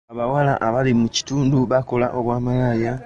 Abawala abali mu kitundu bakola obwa malaaya.